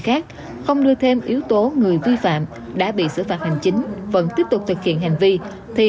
khác không đưa thêm yếu tố người vi phạm đã bị xử phạt hành chính vẫn tiếp tục thực hiện hành vi thì